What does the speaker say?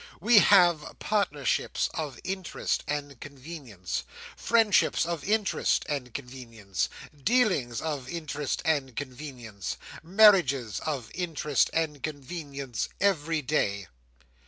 We have partnerships of interest and convenience, friendships of interest and convenience, dealings of interest and convenience, marriages of interest and convenience, every day."